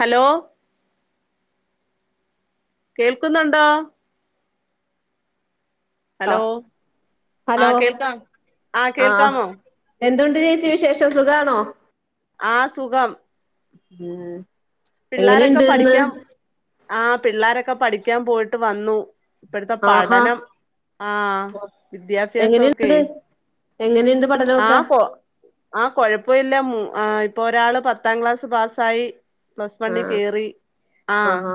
Hello കേൾക്കുന്നുണ്ടോ hello അഹ് ആ ഹലോ കേൾക്കാം ആ ആഹ് കേൾക്കാമോ എന്തുണ്ട് ചേച്ചി വിശേഷം സുഖാണോ ആഹ് സുഖം ഉം എങ്ങനെയിണ്ട് ഇന്ന് ആഹ് പിള്ളാരൊക്കെ പഠിക്കാൻ പോയിട്ട് വന്നു ഇപ്പഴത്തെ ആഹാ പഠനം ആഹ് വിദ്യാഭ്യാസൊക്കെയ് എങ്ങനെണ്ട് പഠനം ആഹ് കൊ ആഹ് കൊഴപ്പമില്ല മൂ ഇപ്പൊ ഒരാള് പത്താം ക്ലാസ് പാസ്സായി പ്ലസ് ആ വണ്ണി കേറി ആഹ് ആഹാ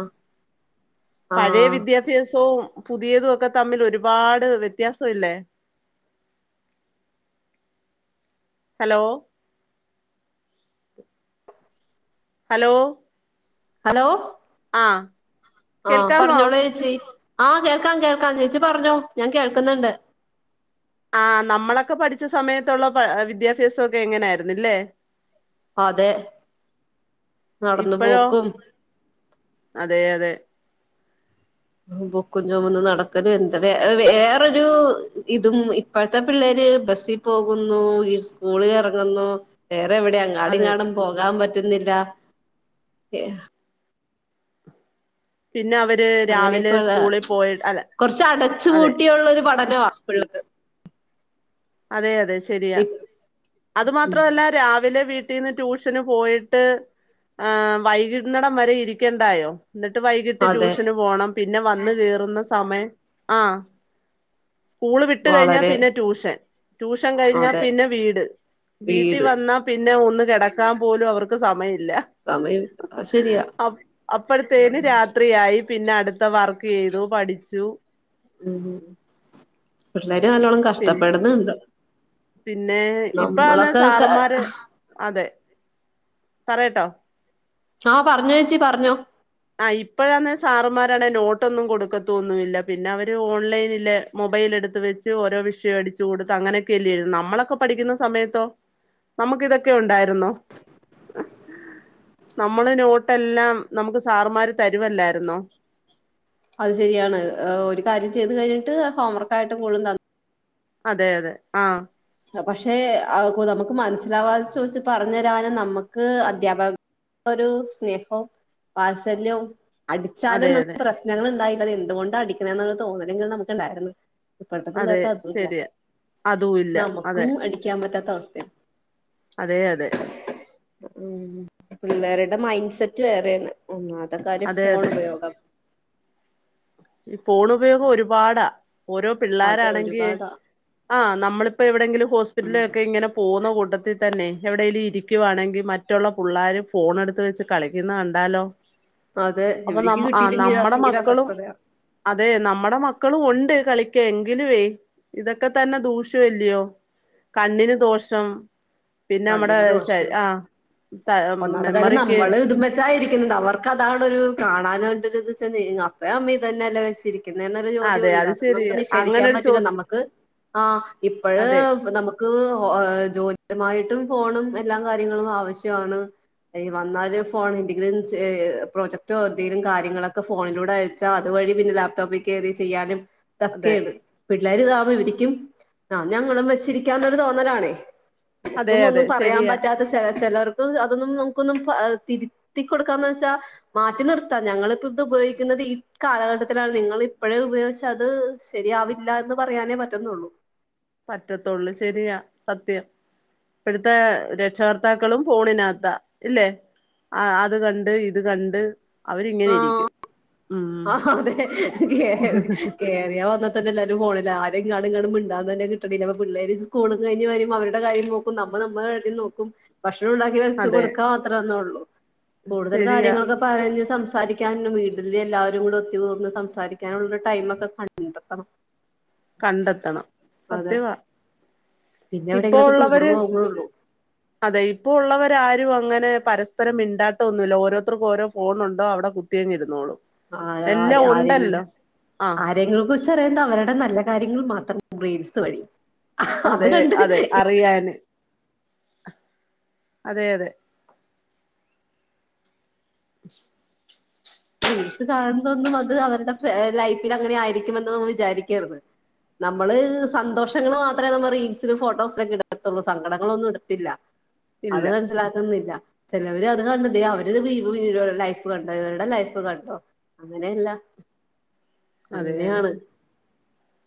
ആ പഴയ വിദ്യാഭ്യാസവും പുതിയതും ഒക്കെ തമ്മിൽ ഒരുപാട് വ്യത്യാസം ഇല്ലേ ഹലോ ഹലോ ഹലോ ആഹ് ആഹ് പറഞ്ഞോളൂ ചേച്ചി ആഹ് കേൾക്കാം കേൾക്കാം ചേച്ചി പറഞ്ഞോ ഞാൻ കേൾക്കുന്നുണ്ട് ആഹ് നമ്മളൊക്കെ പഠിച്ച സമയത്തുള്ള പ വിദ്യാഭ്യാസൊക്കെ ഇ ങ്ങനെയായിരുന്നല്ലേ അതെ നടന്ന് ഇപ്പഴോ പോക്കും അതെ അതെ ബുക്കും ചൊമന്ന് നടക്കലും എന്താ വേ വേറൊരു ഇതും ഇപ്പഴത്തെ പിള്ളേര് ബസ്സി പോകുന്നു ഈ സ്കൂളിൽ എറങ്ങുന്നു വേറെ എവിടെ അതെ ങ്ങാടിങ്ങാടും പോകാൻ പറ്റുന്നില്ല പിന്നെ അവര് രാവിലെ അങ്ങനെയൊക്കെയൊള്ള സ്കൂളിൽ പോയി അല്ല കൊറച്ച് അടച്ചു അതെ പൂട്ടിയുള്ളൊരു പഠനവ ഇപ്പല്ലദ് അതെ അതെ ശരിയാ അത് ഉം മാത്രമല്ല രാവിലെ വീട്ട ട്ടീന്ന് ട്യൂഷന് പോയിട്ട് ആഹ് വൈകുന്നെടം വരെ ഇരിക്കണ്ടായോ ന്നട്ട് വൈകിട്ട് അതെ ട്യൂഷന് പോണം പിന്നെ വന്ന് കേറുന്ന സമയം ആഹ് സ്കൂള് വിട്ട് കഴിഞ്ഞാ വളരെ പിന്നെ ട്യൂഷൻ ട്യൂഷൻ കഴിഞ്ഞ അതെ പിന്നെ വീട് വീട്ടീ വീട് വന്ന ന്ന പിന്നെ ഒന്ന് കെടക്കാൻ പോലും അവർക്ക് സമയില്ല സമയം അത് ശരിയാ അ അപ്പഴത്തേന് രാത്രിയായി പിന്നെ അടുത്ത വർക്ക് ചെയ്തു പഠി ച്ചു ഉം പിള്ളേര് നല്ലോണം പി കഷ്ടപ്പെടുന്നുണ്ട് പിന്നെ ഇപ്പാന്നെ നമ്മളൊക്കെ സാറുമ്മാര് അതെ പറയട്ടോ ആഹ് പറഞ്ഞോ ചേച്ചി പറഞ്ഞോ ആഹ് ഇപ്പഴാന്നെ സാറുമ്മാരണേ നോട്ടൊന്നും കൊടുക്കത്തൊന്നുല്ല പിന്നെ അവര് ഓൺലൈനില് മൊബൈൽ എടുത്ത് വെച്ച് ഓരോ വിഷയം അടിച്ചു കൊടുത്ത് അങ്ങനെയൊക്കെയല്ലേഴ്തുന്നെ നമ്മളൊക്കെ പഠിക്കുന്ന സമയത്തോ നമ്മക്കിതൊക്കെ ഒണ്ടായിരുന്നോ [inaudible] നമ്മളെ നോട്ടെല്ലാം നമുക്ക് സാറ്മ്മാര് തരുവല്ലായിരുന്നോ അത് ശരിയാണ് ഏഹ് ഒരു കാര്യം ചെയ്തു കഴിഞ്ഞിട്ട് ഹോംവർക്ക് ആയിട്ട് പോലും ത അതെ അതെ ആഹ് പക്ഷെ അ നമുക്ക് മനസ്സിലാവാതെ ചോദിച്ച് പറഞ്ഞു തരാനും നമ്മക്ക് അധ്യാപക ഒരു സ്നേഹവും വാത്സല്യവും അതെ അടിച്ചാലും അതെ നമുക്ക് പ്രശ്നങ്ങൾ ഉണ്ടായില്ല. അത് എന്തുകൊണ്ടാ അടിക്കുന്നേന്നുള്ള തോന്നലെങ്കിലും നമുക്ക് ഉണ്ടായിരുന്നു. ഇപ്പളത്തെ അതെ പിള്ളേർക്ക് അതും ഇല്ല. ശരിയാ അതും ഇ നമുക്കും അടിക്കാൻ പറ്റാത്ത അവസ്ഥയാ. അതെ അതെ പിള്ളേരുടെ മൈൻഡ് സെറ്റ് വേറെയാണ്. ഒന്നാമത്തെ കാര്യം അതെ ഫോൺ അതെ ഉപയോഗം. ഈ ഫോൺ ഉപയോഗം ഒരുപാടാ ഓരോ അത് പിള്ളോരാണെങ്കിൽ ഒരുപാടാ ആ നമ്മളിപ്പോ എവിടെെങ്കിലും ഹോസ്പിറ്റലിലൊക്കെ ഇങ്ങനെ പോന്ന കൂട്ടത്തിൽ തന്നെ എവിടെേങ്കലും ഇരിക്കുയാണെങ്കിൽ മറ്റുള്ള പിള്ളേർ ഫോണെടുത്ത് വെച്ച് കളിക്കുന്നത് കണ്ടാലോ അതെ അപ്പൊ ഇവനിക്ക് നമ്മ ആ കിട്ടിയില്ലെങ്കിൽ നമ്മടെ ഭയങ്കര മക്കളും അസ്വസ്ഥതയാ. അതെ നമ്മുടെ മക്കളും ഉണ്ട് കളിക്കാൻ എങ്കിലുവേ- ഇതൊക്കെ തന്നെ ദൂഷ്യം അല്ലിയോ കണ്ണിന് ദോഷം പിന്നെ നമ്മടെ കണ്ണിന് ശ ദോഷം ആ ത മെമ്മറിക്ക് ച്ചാരിക്കുന്നത് അവർക്ക് അതാണൊരു കാണാനണ്ടെരു ഇത് വെച്ചാ അപ്പേ അമ്മീ തന്നെയല്ലേ വെച്ചിരി ക്കുന്നൊരു ചോദ്യം അതെ ഉണ്ട്. അത് ശരിയ നമുക്ക് നിഷേധിക്കാൻ അങ്ങനൊരു ചോ പറ്റില്ല. നമുക്ക് ആ ഇപ്പഴ് അതെ നമുക്ക് ക്ക് ജോലിപരമായിട്ടും ഫോണും എല്ലാം കാര്യങ്ങളും ആവശ്യമാണ്. വന്നാല് ഫോൺ എന്തെങ്കിലും പ്രോജക്ടോ എന്തെങ്കിലും കാര്യങ്ങളൊക്കെ ഫോണിലൂടെ ച്ചാ അതുവഴി പിന്നെ ലാപ്ടോപ്പിൽ കയറി ചെയ്യാനും അതെ ഇതക്കെയാണ് പിള്ളേർ കാരണം ഇവരിക്കും ആ ഞങ്ങളും വെച്ചിരിക്കാന്നൊരു തോന്നലാണേ. അതെ നമുക്കും അതെ ഒന്നും പറയാൻ ശരിയാ പറ്റാത്ത ച ചിലർക്ക് അതൊന്നും നമുക്കൊന്നും തിരുത്തി കൊടുക്കാന്ന് വെച്ചാ മാറ്റി നിർത്താം. ഞങ്ങളിപ്പ ഇത് ഉപയോഗിക്കുന്നത് ഈ കാലഘട്ടത്തിലാണ് നിങ്ങള് ഇപ്പഴേ ഉപയോഗിച്ച അത് ശരിയാവില്ല എന്ന് പറയാനേ പറ്റുന്നുള്ളൂ. പറ്റത്തുള്ളൂ ശരിയാ സത്യം. ഇപ്പളത്തെ രക്ഷകർത്താക്കളും ഫോണിനകത്താ. ഇല്ലേ? ആ അത് കണ്ട് ഇത് കണ്ട് അവരിങ്ങനെ ഇരിക്കും. ഉം ആ അതെ കേറി കേറിയ ല്ലാരു ഫോണിലാ ആരും അങ്ങോ ഇങ്ങോട്ടു മിണ്ടാൻ തന്നെ കിട്ടണില്ല. അപ്പം പിള്ളേര് സ്കൂളും കഴിഞ്ഞ് വരുമ്പം അവരുടെ കാര്യ നമ്മ നമ്മളെ രണ്ടിനേ നോക്കും ഭക്ഷണം ച്ചു അതെ കൊടുക്കാൻ മാത്രള്ളൂ കൂടുതൽ കാര്യ ശരിയാ പറഞ്ഞ് സംസാരിക്കാന് വീട്ടില് എല്ലാവരും ഇവിടെ എത്തിയാ ഉടനെ സംസാരിക്കാനുള്ള ടൈമ് ഒക്കെ കണ്ടെത്തണം. കണ്ടെത്തണം അതെ സത്യവാ. പിന്നെ ഇപ്പോ എവിടെങ്കിലും ഒക്കെ ടൂർ ഉള്ളവര് പോകുമ്പളേ ഉള്ളു. അതെ ഇപ്പ ഉള്ളവരാരും അങ്ങനെ പരസ്പരം മിണ്ടാട്ടൊന്നുമില്ല. ഓരോത്തർക്കും ഓരോ ഫോണുണ്ട് അവിടെ തിരിഞ്ഞിരുന്നോളൂ ആ എല്ലാം ഉണ്ടല്ലോ. ആ നിങ്ങൾക്കും ചെറിയ അവരുടെ നല്ല കാര്യങ്ങൾ മാത്രം റീൽസ് വഴി അത് അതെ കണ്ട് അതെ അറിയാന് അതെ അതെ. റീൽസ് കാണുന്നതൊന്നും അത് അവരുടെ ലൈഫിൽ അങ്ങനെ ആയിരിക്കുമെന്ന് വിചാരിക്കരുത്. നമ്മള് സന്തോഷങ്ങൾ മാത്രമേ നമ്മ റീൽസിലും ഫോട്ടോസിലൊക്കെ ഇടുത്തുള്ളൂ സങ്കടങ്ങൾ ഒന്നും ഇടത്തില്ല അത് ഇല്ല മനസ്സിലാക്കുന്നില്ല. ചിലവര് അത് കണ്ടണ്ട് അവര് ലൈഫ് കണ്ടോ ഇവരുടെ ലൈഫ് ഫ് കണ്ടോ അങ്ങനെയല്ല അതെ അതെ അങ്ങനെയാണ്.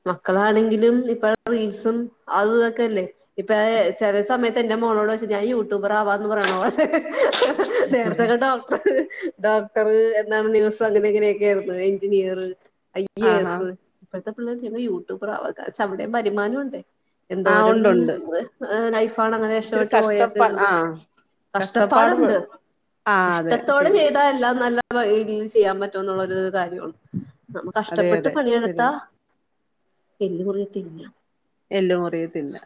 മക്കളാണെങ്കിലും ഇപ്പഴത്തെ റീൽസും അതും ഇതൊക്കെയല്ലേ. ഇപ്പ ചില സമയത്ത് എന്റെ മോളോട് ചോദിച്ച ഞാൻ യൂട്യൂബർ ആവാന്ന് പറയണ പോലെ നേരത്തെ ഒക്കെ ഡോക്ടർ ഡോക്ടറ് എന്നാണ് ദിവസം അങ്ങനെ ഇങ്ങനെയൊക്കെ ആയിരുന്നത് engineer, I A ah S ആഹ് ഇപ്പോഴത്തെ പിള്ളേർ ഞ യൂട്യൂബർആവാനാ. അവിടെയും വരുമാനം ഉണ്ട്. ആഹ് എന്തോരം ഉണ്ടുണ്ട് ഏ ലൈഫാണങ്ങനെ ഇച്ചിരി രഷോട്ട് കഷ്ടപ്പാ പോയേക്കുന്നത് ആഹ് കഷ്ടപ്പാട് കഷ്ടപ്പാടുണ്ട് ആഹ് അതെ ഇഷ്ടത്തോടെ ശരിയാ ചെയ്താ എല്ലാം നല്ല രീ തിൽ ചെയ്യാൻ പറ്റും എന്നുള്ളരു കാര്യമാണ് നമ്മ അതെ കഷ്ടപ്പെട്ട് അതെ പണിയെടുത്താ ശരിയാ എല്ലു മുറിയെ തിന്നാം എല്ലുമുറിയെ തിന്നാം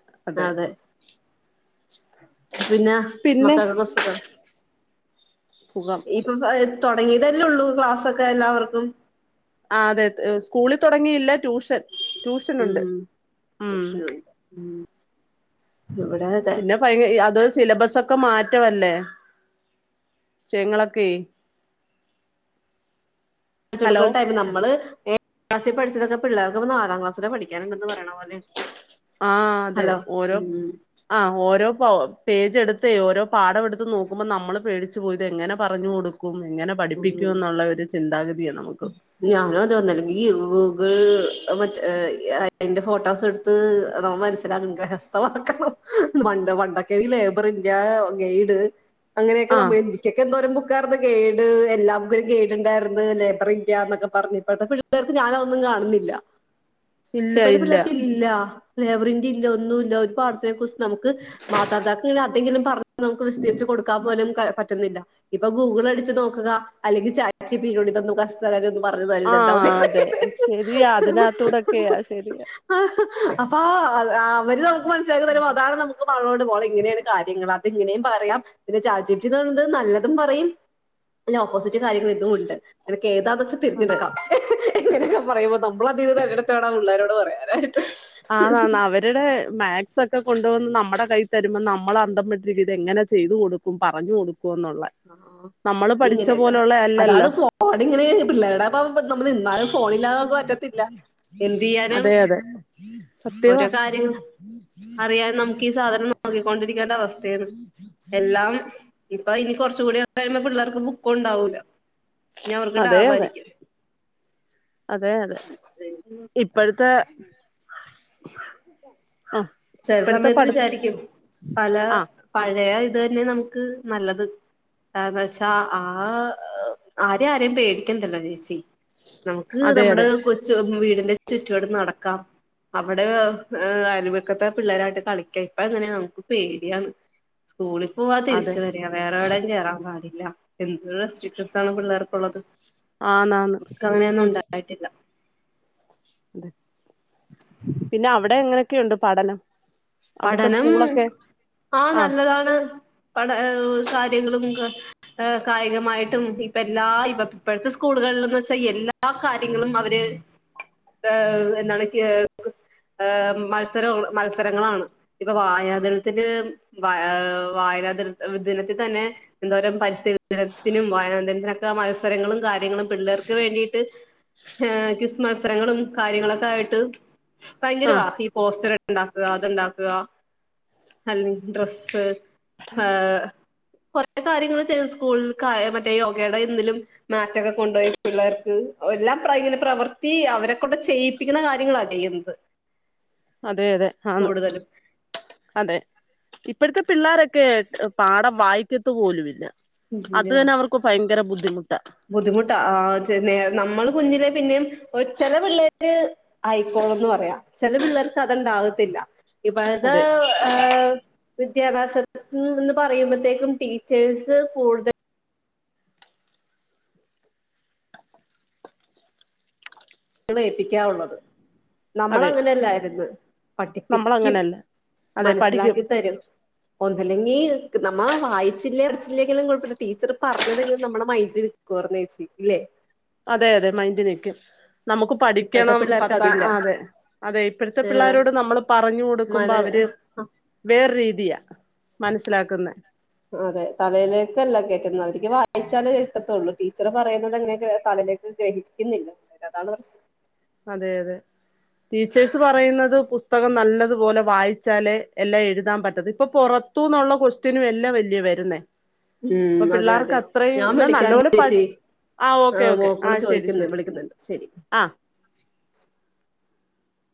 പിന്ന പിന്നെ മക്കക്കൊക്കെ സുഖം സുഖം ഇപ്പൊ [unintelligible] തൊടങ്ങിയതല്ലേള്ളൂ ക്ലാസ്സൊക്കെ എല്ലാവർക്കും ആ അതെ സ്കൂളിൽ തുടങ്ങിയില്ല ട്യൂഷൻ ട്യൂഷനുണ്ട് ഉം ട്യൂഷനുണ്ട് ഉം ഇവിടെ അതെ പിന്നെ ഭയ അത് സിലബസക്കെ മാറ്റവല്ലേ വിഷയങ്ങളൊക്കെ [inaudible] പഠിച്ച് ഹലോ കൊടുക്കണ ടൈം നമ്മള് ഏഴാം ക്ലാസിൽ പഠിച്ചതൊക്കെ പിള്ളേർക്ക് നാലാം ക്ലാസില് പഠിക്കാനുണ്ടെന്ന് പറയണ പോലെ ആഹ് അതെ ഹലോ ഓരോ ഉം ആ ഓരോ പേജ് എടുത്തേ ഓരോ പാഠം എടുത്ത് നോക്കുമ്പോ നമ്മള് പേടിച്ചു പോവും ഇതെങ്ങനെ പറഞ്ഞു കൊടുക്കും ക്കും എങ്ങനെ ഉം പഠിപ്പിക്കുന്നൊള്ള ഒരു ചിന്താഗതിയാ നമുക്ക് ഞാനും അതന്ന ഒന്നെങ്കി ഗൂഗിൾ മറ്റ് അയിന്റെ ഫോട്ടോസ് എടുത്ത് നമ്മ മനസ്സിലാക്കണം ഗ്രഹസ്ഥമാക്കണം പണ്ട് പണ്ടൊകേണങ്ങി ലേബർ ഞാനോ ഗൈഡ് അങ്ങനെയൊക്കെ ആ നമ്മ എനിക്കൊക്കെ എന്തോരം ബുക്കാര്ന്ന് ഗെയ്ഡ് എല്ലാവരിക്കും ഗൈടിണ്ടായിരുന്നു ഒക്കെ പറഞ്ഞ ഇപ്പോഴത്തെ പിള്ളേർക്ക് ഞാനതൊന്നും കാണുന്നില്ല ഇല്ല ഇപ്പഴത്തെ ഇല്ല പിള്ളേർക്ക് ല്ല ലേബറിന്റെല്ല ഒന്നും ഇല്ല ഒരു പാഠത്തിനെ കുറിച്ച് നമുക്ക് മാതാതാക്കളന്തെങ്കിലും പറഞ്ഞ നമുക്ക് വിസ്തരിച്ച് കൊടുക്ക് ക്കാ പോലും പറ്റുന്നില്ല ഇപ്പൊ ഗൂഗിൾ അടിച്ച് നോക്കുക അല്ലെങ്കിൽ ചാറ്റ് ജിപിറ്റി ഇതോ [unintelligible] [unintelligible] ആഹ് അതെ ശരിയാ അതിനകത്തൂടൊക്കെ ശരിയാ ആ അപ്പ അവര് നമുക്ക് മനസ്സിലാക്കി തരുമോ അതാണ് നമുക്ക് മകളോട് മോളെ ഇങ്ങനെയാണ് കാര്യങ്ങള് അത് ഇങ്ങനെയും പറയാം പിന്നെ ചാറ്റ്ജിപ്റ്റിന്ന് പറയുന്നത് നല്ലതും പറയും അല്ല ഓപ്പോസിറ്റ് കാര്യങ്ങൾ ഇതും ണ്ട് നിനക്ക് ഏതാന്ന്ച്ചാ അതെ തെരഞ്ഞെടുക്കാം ഇങ്ങനൊക്കെ പറയുമ്പോ നമ്മള അതീത് തെരെഞ്ഞെടുത്തോണം പിള്ളേരോട് പറയാനായിട്ട് ആന്നാന്ന് അവൻ അവരടെ മാത്സൊക്കെ കൊണ്ടുവന്ന് നമ്മടെ കൈയി തരുമ്പം നമ്മള് അന്തം വിട്ടിരിക്കും ഇതെങ്ങനെ ചെയ്ത് ചെയ്തു കൊടുക്കും പറഞ്ഞ് കൊടുകൊന്നൊള്ള ആഹ് നമ്മള് പഠിച്ച ഇങ്ങനെയൊക്കെ പോലൊള്ള അതാണ് ഫോണിങ്ങനെ പിള്ളേരുടെപ്പ നമ്മള് നിന്നാലും ഫോണില്ലാതമ്മക്ക് പറ്റത്തില്ല എന്ത് ചെയ്യാനാണ് അതെ അതെ ഓരോ സത്യവാ [inaudible] കാര്യം അറിയാൻ നമുക്ക് ഈ സാധനം നോക്കിക്കൊണ്ടിരിക്കേണ്ട അവസ്ഥയാണ് എല്ലാം ഇപ്പൊ ഇനി കുറചൂടി കഴിയുമ്പോ പിള്ളേർക്ക് ബുക്കൂണ്ടാവൂല അതെ യതെ അതെയതെ ഇപ്പോഴത്തെ [inaudible] ചെല സമയത്ത് പഠി വിചാരിക്കും പല ആ പഴയ ഇതന്നെ നമുക്ക് നല്ലത് ആ ന്നോച്ചാ ആ ആരെ ആരെയും പേടിക്കണ്ടല്ലോ ചേച്ചി നമുക്ക് അതെ നമ്മുടെ അതെ കൊ ച്ച് വീടിന്റെ ചുറ്റുവട്ടം നടക്കാം അവിടെ അ പക്കത്തെ പിള്ളരായിട്ട് കളിക്ക ഇപ്പ ങനാണോ സ്കൂളിൽ പോവാതിരിച്ച അതെ വര വേറെ എവിടെയും കേറാ പാടില്ല എന്ത് റെസ്ട്രിക്ഷൻസാ ണ് പിള്ളേർകൊ ള്ളത് ആന്നാന്ന് മ്മക്ക് അങ്ങനെയൊന്നും ഉണ്ടായിട്ടില്ല തെ [inaudible] പിന്നെ അവിടെ ങ്ങനെയൊക്കെയുണ്ട് പഠനം അവിടുത്തെ പഠനം സ്കൂളൊക്കെ ആ നല്ലതാണ് പഠ കാര്യങ്ങളുക്ക കായികമായിട്ടും ഇപ്പ എല്ലാ ഇപ്പ ഇപ്പോഴത്തെ സ്കൂളുകളിലന്ന് വെച്ചാൽ എല്ലാ എല്ലാ കാര്യങ്ങളും അവര് എന്താണ് ഹ മത്സര മത്സരങ്ങളാണ് ഇപ്പൊ വായനാതിരത്തിന്റെ വ വായനാതിര ദിനത്തിൽ തന്നെ എന്തോരം പരിസ്ഥിതിത്തിനും വായനദത്തിനൊക്കെ മത്സരങ്ങളും കാര്യങ്ങളും പിള്ളേർക്ക് വേണ്ടിട്ട് ക്വിസ് മത്സരങ്ങളും കാര്യങ്ങളൊക്കെ ആയിട്ട് ആ ഭയങ്കരവാ ഈ പോസ്റ്റർ ഉണ്ടാക്കുക അതുണ്ടാക്കുക അല്ലി ഡ്രെസ്സ് ആഹ് കുറെ കാര്യങ്ങൾ ചെയ്യ സ്കൂള മറ്റേ യോഗയുടെ എന്തതിലും മാറ്റൊക്കെ കൊണ്ടുപോയി പിള്ളേർക്ക് എല്ലാം ഇങ്ങനെ പ്രവർത്തി അവരെക്കൊണ്ട് ചെയ് പപ്പിക്കുന്ന കാര്യങ്ങളാ ചെയ്യുന്നത് അതെ അതെ ആന്ന് കൂടുതലും അതെ ഇപ്പഴത്തെ പിള്ളോരൊക്കെ പാടം വായിക്കത്ത പോലുംല്ല അത് പിന്നെ തന്നെ അവർക്ക് ഭയങ്കര ബുദ്ധിമുട്ടാ ബുദ്ധിമുട്ടാ ആഹ് നേ നമ്മള് കുഞ്ഞിലെ പിന്നെയും ഒ ചില പിള്ളേര് ആയിക്കോളന്ന് പറയാം ചില പിള്ളേർക്ക് അത്ണ്ടാവത്തില്ല ഇപ്പോഴത് അതെ വിദ്യാഭ്യാസത്തി എന്ന് പറയുമ്പോഴത്തേക്കും ടീച്ചേഴ്സ് കൂടുതൽ ണയിപ്പിക്കാറുള്ളത് അതെ നമ്മളങ്ങനെല്ലായിരുന്നു പഠിപ്പിക്കും നമ്മളങ്ങനെയല്ല അതെ പഠിക്കും മനസിലാക്കിത്തരും ഒന്നല്ലെങ്കി നമ്മ വായിച്ചില്ലേ അടച്ചില്ലേക്കെല്ലും കുഴപ്പമില്ല ടീച്ചർ പറഞ്ഞതെും നമ്മുടെ മൈൻഡില് കുറന്നേച്ചി ഇല്ലേ അതെ അതെ മൈൻന്ഡ നക്കും നമുക്ക് ഇപ്പഴത്തെ പഠിക്കണം പിള്ളേർക്ക് പത്ത അതില്ല അതെ അതെ ഇപ്പോഴത്തെ ഏഹ് പിള്ളോരോട് നമ്മള് പറഞ്ഞു മല കൊടുക്കുമ്പോ അവര് വേറ രീതിയ മനസ്സിലാക്കുന്ന അതെ തലയിലേക്കല്ല കേയറ്റുന്നത് എനിക്ക് വായിച്ചാലല് കിട്ടത്തുള്ളൂ ടീച്ചർ പറയുന്നത് എങ്ങനെ തലേക്ക് ഗ്രഹിക്കുന്നില്ല അതാണ് അതെ അതെ ടീച്ചേഴ്സ് പറയുന്നത് പുസ്തകം നല്ലതുപോലെ വായിച്ചാലേ എല്ലാം എഴുതാൻ പറ്റത് ഇപ്പൊ പുറ ത്തൂന്നുള്ള കൊക്സ്റ്റിനും എല്ലാം വല്യ വരുന്നേ അപ്പൊ ഉം അതെ അതെ പിള്ളേർക്ക് അത്രയും ഞാൻ എന്നാ നല്ല വിളിക്കാം പോലെ പഠി ചേച്ചി ആഹ് ആ, ഓക്കേ ഓക്കേ മോക്കള് ആഹ് ശരി ചോദിക്കുന്നു ശരി വിളിക്കുന്നുണ്ട് ശരി ആ